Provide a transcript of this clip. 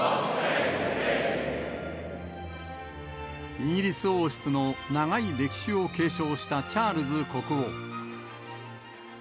イギリス王室の長い歴史を継承したチャールズ国王。